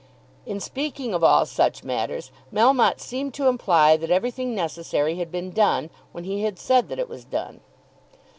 In speaking of all such matters Melmotte seemed to imply that everything necessary had been done, when he had said that it was done.